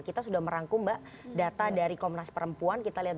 kita sudah merangkum mbak data dari komnas perempuan